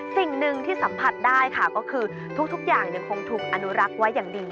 สิ่งหนึ่งที่สัมผัสได้ค่ะก็คือทุกอย่างคงถูกอนุรักษ์ไว้อย่างดี